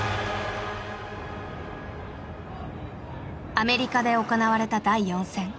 アメリカで行われた第４戦。